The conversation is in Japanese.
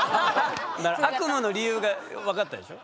悪夢の理由が分かったでしょ？